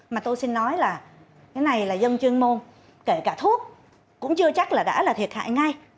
mà tôi xin nói là cái này là dân chuyên môn kể cả thuốc cũng chưa chắc là đã là thiệt hại ngay